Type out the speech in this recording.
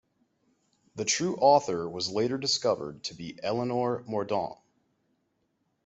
The true author was later discovered to be Elinor Mordaunt.